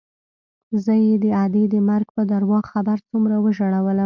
زه يې د ادې د مرګ په درواغ خبر څومره وژړولوم.